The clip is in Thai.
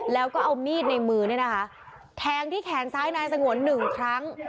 แล้วก็เอามีดในมือเนี่ยนะคะแทงที่แขนซ้ายนายสงวนหนึ่งครั้ง